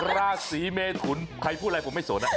ราศีเมทุนใครพูดอะไรผมไม่สน